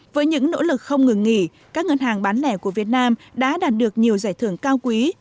với những nỗ lực không ngừng nghỉ các ngân hàng bán lẻ của việt nam đã đạt được nhiều giải thưởng cao quý